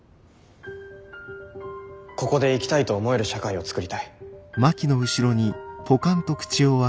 ここで生きたいと思える社会を創りたい。